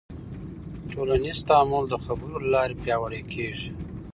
ټولنیز تعامل د خبرو له لارې پیاوړی کېږي.